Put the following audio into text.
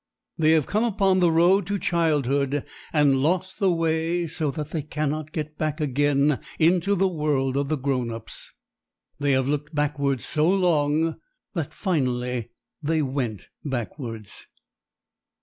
They have come upon the road to childhood and lost the way so that they cannot get back again into the world of the grown ups. They have looked backwards so long that finally they went backwards.